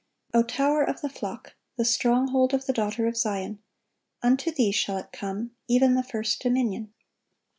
"O tower of the flock, the stronghold of the daughter of Zion, unto thee shall it come, even the first dominion."